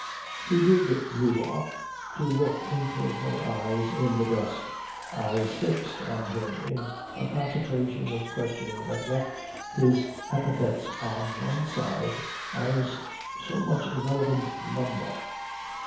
He did leave off, to look into her eyes in the dusk, eyes fixed on him in a concentration of questioning that left his epithets on one side as so much irrelevant lumber.